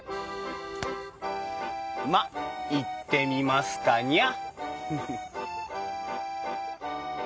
まっ行ってみますかにゃ。